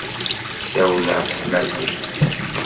Ssawleɣ s tmaziɣt.